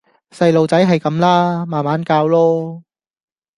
細孥仔係咁啦！慢慢教囉